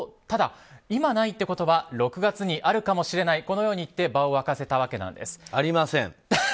ただ、今ないということは６月にあるかもしれないこのように言って場を沸かせたわけなんです。